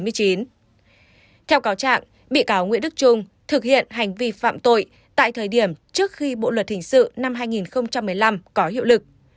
theo cáo trạng bị cáo nguyễn đức trung thực hiện hành vi phạm tội tại thời điểm trước khi bộ luật hình sự năm hai nghìn một mươi năm có hiệu lực